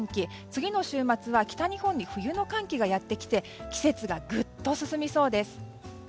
次の週末は北日本に冬の寒気がやってきて季節がぐっと進みそうです。